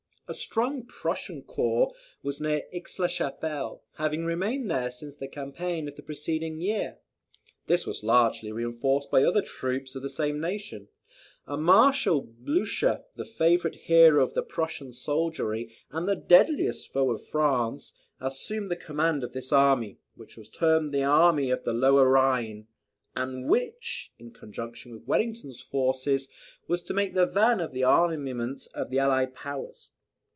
A strong Prussian corps was near Aix la Chapelle, having remained there since the campaign of the preceding year. This was largely reinforced by other troops of the same nation; and Marshal Blucher, the favourite hero of the Prussian soldiery, and the deadliest foe of France, assumed the command of this army, which was termed the Army of the Lower Rhine; and which, in conjunction with Wellington's forces, was to make the van of the armaments of the Allied Powers.